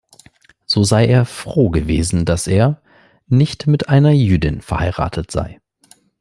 So sei er froh gewesen, dass er „nicht mit einer Jüdin verheiratet sei“.